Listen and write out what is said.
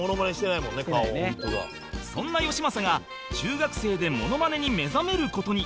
そんなよしまさが中学生でモノマネに目覚める事に